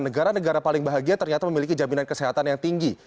negara negara paling bahagia ternyata memiliki jaminan kesehatan yang tinggi